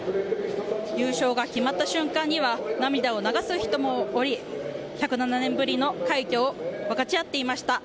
優勝が決まった瞬間には涙を流す人もおり１０７年ぶりの快挙を分かち合っていました。